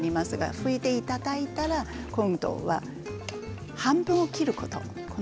拭いていただいたら半分を切ること。